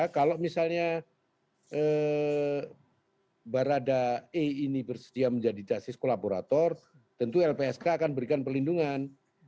kalau misalnya barada e ini bersedia menjadi justice kolaborator tentu lpsk akan berikan perlindungan